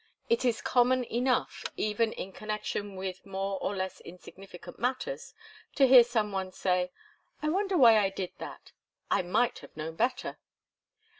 It is common enough, even in connection with more or less insignificant matters, to hear some one say, 'I wonder why I did that I might have known better!